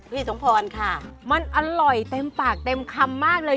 สมพรค่ะมันอร่อยเต็มปากเต็มคำมากเลย